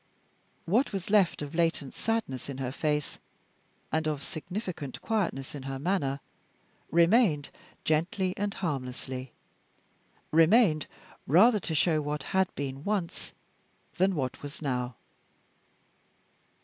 What was left of latent sadness in her face, and of significant quietness in her manner, remained gently and harmlessly remained rather to show what had been once than what was now.